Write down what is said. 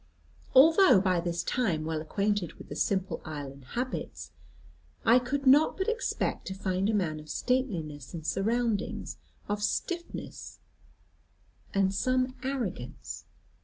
Although by this time well acquainted with the simple island habits, I could not but expect to find a man of stateliness and surroundings, of stiffness and some arrogance.